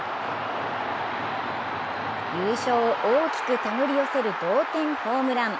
優勝を大きくたぐり寄せる同点ホームラン。